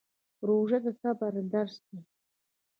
روژه د صبر درس دی